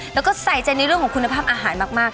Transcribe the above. แล้วก็ใส่ใจในเรื่องของคุณภาพอาหารมาก